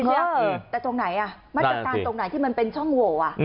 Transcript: แต่ตรงไหนมาตรการตรงไหนที่มันเป็นช่องโหว่ะ